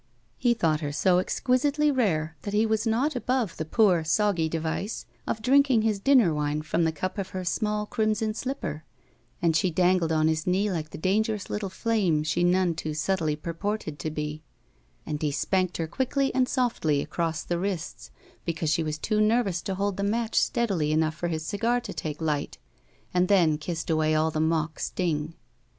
He thought her so exquisitely rare that he was not above the poor, soggy device of drinking his dinner wine from the cup of her small crimson slipper, and she dangled on his knee like the danger ous little flame she none too subtly purported to be, and he spanked her quickly and softly across the wrists because she was too nervous to hold the match steadily enough for his cigar to take light, and then kissed away all the mock sting.